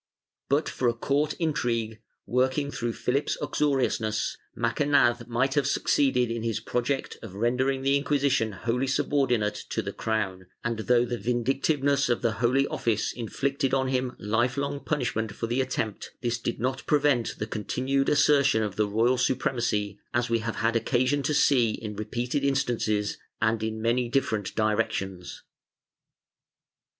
But for a court intrigue, working through Philip's uxoriousness, Macanaz might have succeeded in his project of rendering the Inquisition wholly subordinate to the crown, and though the vindictiveness of the Holy Office inflicted on him life long punishment for the attempt, this did not pre vent the continued assertion of the royal supremacy, as we have had occasion to see in repeated instances and in many different directions.